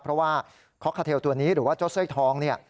เพราะว่าคอกคาเทลตัวนี้หรือว่าเจ้าสร้อยทองเนี่ย